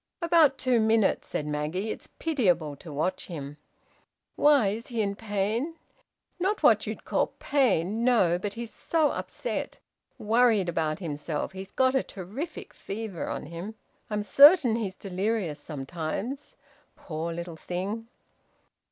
"About two minutes," said Maggie. "It's pitiable to watch him." "Why? Is he in pain?" "Not what you'd call pain. No! But he's so upset. Worried about himself. He's got a terrific fever on him. I'm certain he's delirious sometimes. Poor little thing!"